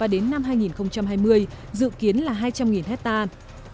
đến năm hai nghìn hai mươi dự kiến là hai trăm linh hectare